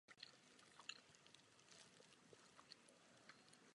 V tom to není.